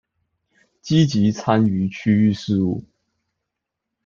積極參與區域事務